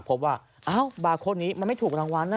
พบว่าอ้าวบาร์โค้นี้มันไม่ถูกรางวัลนะ